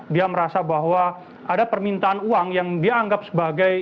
dia merasa bahwa ada permintaan uang yang dia anggap sebagai